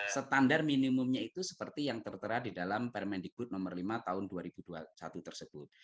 standar minimumnya itu seperti yang tertera di dalam permendikbud nomor lima tahun dua ribu dua puluh satu tersebut